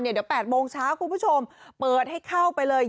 เดี๋ยว๘โมงเช้าคุณผู้ชมเปิดให้เข้าไปเลย